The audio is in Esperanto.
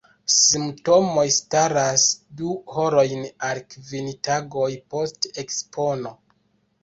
Simptomoj startas du horojn al kvin tagoj post ekspono.